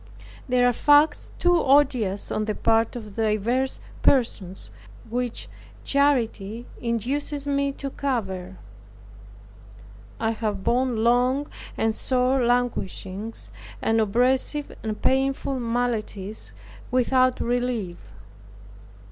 There are facts too odious on the part of divers persons, which charity induces me to cover. I have borne long and sore languishings, and oppressive and painful maladies without relief.